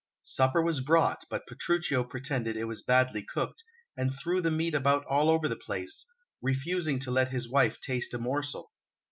Supper was brought, but Petruchio pretended it was badly cooked, and threw the meat about all over the place, refusing to let his wife taste a morsel.